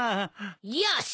よし！